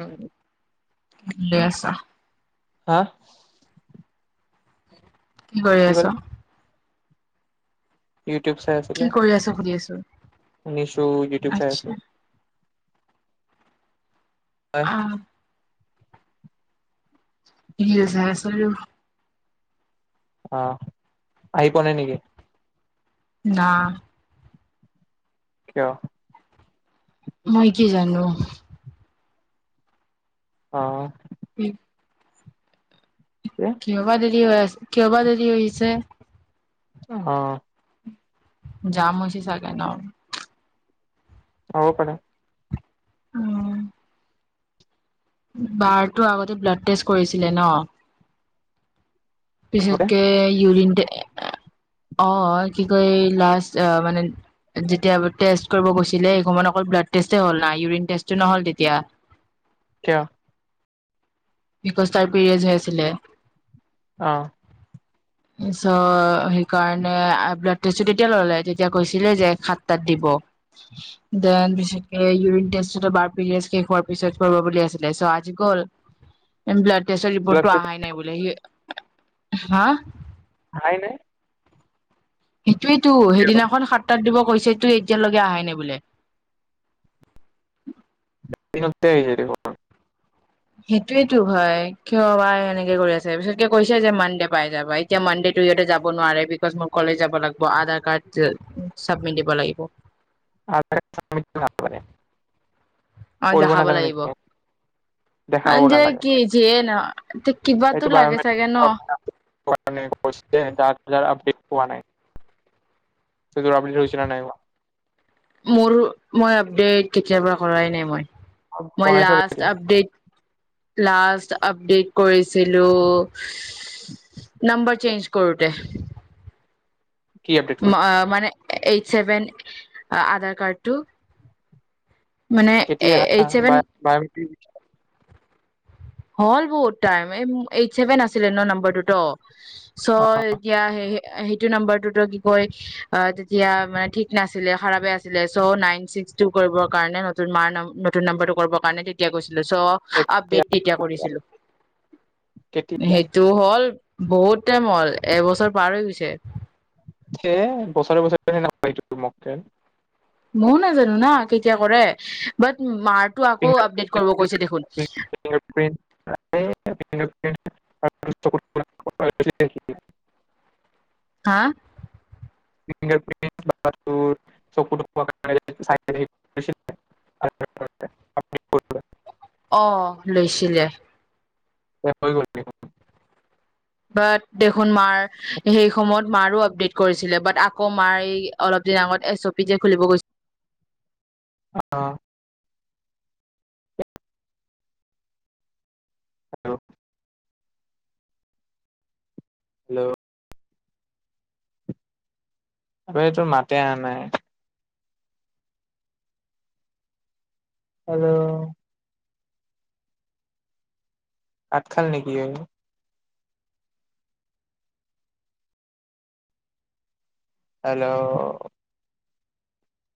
উম, [unintelligible] আহ', হা', কি কৰি আছ? ইউটিউব চাই কি আছিলে, কৰি আছ সুধি আছো শুনিছোঁ ইউটিউব চাই আছে। আচ্ছা অহ', কিয়ে চাই আছে অ', অ', আহি পোৱা নাই নেকি? না', কিয়? মই কি জানো। অ', উম', কি? কিয়বা দেৰি হৈ আছে, কিয়বা দেৰি হৈছে, আহ', জাম হৈছে চাগে ন',? হ'ব পাৰে। উম', বাৰটো আগতে ব্লাড টেষ্ট কৰিছিলে ন', লগতে পিছতকে ইউৰিনতে, অ', কি', কয় লাষ্ট অ', মানে যেতিয়া টেষ্ট কৰিব গৈছিলে সেই সমত অকল ব্লাড টেষ্টে হ'ল না, ইউৰিন টেষ্ট এইটো নহ'ল তেতিয়া, কিয়? বিকজ তাৰ পেৰিয়ডচ হৈ আছিলে। অ', পিছত সেইকাৰণে অ', ব্লাড টেষ্টটো তেতিয়া ল'লে, তেতিয়া কৈছিলে যে সাত তাত দিব, দেন বেছিকে উৰিন টেষ্টটোতে পিৰিয়ড শেষ হোৱা পিছত কৰিব বুলি আছিলে আজি গল, ডেন ব্লাড টেষ্টৰ ৰিপৰ্টটো আহাই নাই বোলে সি, হা', আহাই নাই। সেইটোৱেটো কিয়? সেইদিনাখন সাতটাত দিব, কৈছে তো এতিয়ালৈকে আহাই ন বোলে। [unintelligible] সেইটোৱটো হয় কিয় বা এনেকে কৰি আছে বিশেষকে কৈছে যে মন্দে পাই যাবা এতিয়া মন্দেটো যাব নোৱাৰে বিকছ মই কলেজ যাব লাগিব আধাৰ কাৰ্ড ', চাবমিট দিব লাগিব । [unintelligible] অ', কৰিব দেখাব নাজানে লাগিব নেকি? যে কি যিয়ে নহ [unintelligible] দেখ পোৱা নাই [unintelligible] মোৰ মই আপডেট কেতিয়া পা কৰাই নাই মই। মই বনাইছ লাষ্ট কেতিয়া? আপডেট লাষ্ট আপডেট কৰিছিলো নাম্বাৰ চেঞ্জ কৰোতে। কি আপডেট কৰিছ? মা', মানে এইট চছেভেন আধাৰ কাৰ্ডটো মানে কেতিয়া হা এইট ছেভেন বাইমেটিক হল বহুত টাইম এই এইট ছেভেন আছ ন', নম্বৰত চ এতিয়া হেই সেইটো নম্বৰটোতো কি কয় অ', তেতিয়া মানে থঠিক নাছিলে খাৰ আছিলে চ নাইন ছিক্স টু কৰিব কাৰণে নতুন মাৰ নতুন নম্বৰটো কৰিব কাৰণে তেতিয়াৈ গৈছিলোঁ। চ ', কেতিয়া? আপডেত তেতিয়া কৰিছিলো কেতিয়া? সেইটোও হ', হল বহুত টাইম হ'ল এবছৰ পাৰ হৈ গৈছে। [unintelligible] মই নাজানো ন কেতিয়া কৰে বাট মাৰ টো আকৌ ফিংগাৰ আপডেট কৰিব কৈছে দেখোন। হয়', [unintelligible] হা', ফিংগাৰ প্ৰিণ্ট পাচবুক চকু তকো চাই পিনে এইখিনি আপডেট কৰোঁতে আহ ', লৈছিলে। এ হৈ গ'ল দেখোন বাট দেখোন মাৰ সেই সময়ত মাৰো আপডেট কৰিছিলে বাট আকৌ মাৰ এই অলপ দিন আগত এছ অ' পি যে খুলিব গৈছিল। অ', হেল্ল', আটো মাতে অ', নাই? হেল্লো কাট খাল নেকি? হেল্ল',